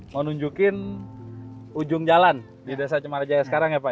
mau nunjukin ujung jalan di desa cemarajaya sekarang ya pak